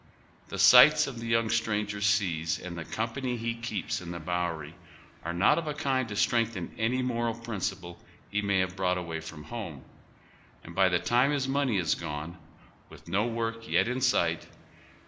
The sights the young stranger sees and the company he keeps in the Bowery are not of a kind to strengthen any moral principle he may have brought away from home, and by the time'his money is gone, with no work yet in sight, and oyGooglc 84 now THE OTHER HALF LIVES.